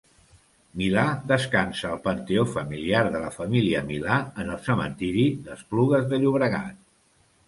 Milà descansa al Panteó Familiar de la família Milà en el Cementiri d'Esplugues de Llobregat.